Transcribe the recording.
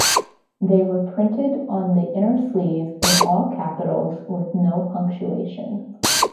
They were printed on the inner sleeve in all capitals with no punctuation.